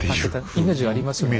イメージありますね。